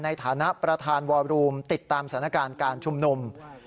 ในฐานะประธานวอบรูมติดตามสถานการณ์การชุมนุม